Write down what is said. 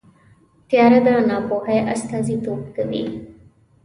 تیاره د ناپوهۍ استازیتوب کوي.